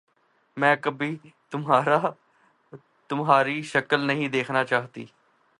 میں کبھی دوبارہ تمہاری شکل نہیں دیکھنا چاہتی۔